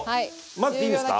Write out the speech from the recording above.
混ぜていいんですか？